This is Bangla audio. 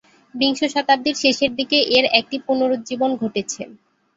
বিংশ শতাব্দীর শেষের দিকে এর একটি পুনরুজ্জীবন ঘটেছে।